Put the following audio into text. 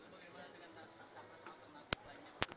bagaimana dengan masalah masalah yang lainnya